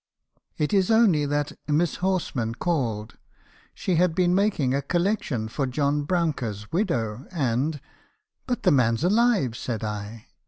— It is only that Miss Horsman called. She had been making a collection for John Brouncker's widow, and' —"' But the man 's alive !' said I.